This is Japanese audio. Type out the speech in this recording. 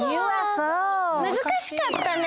むずかしかったね。